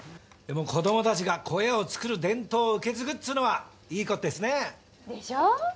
でも子どもたちが小屋を作る伝統を受け継ぐっつうのはいいことですね。でしょ。